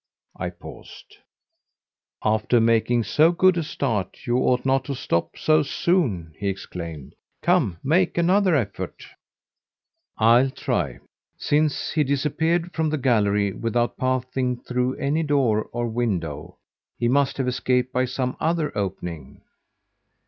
I paused. "After making so good a start, you ought not to stop so soon," he exclaimed. "Come, make another effort." "I'll try. Since he disappeared from the gallery without passing through any door or window, he must have escaped by some other opening."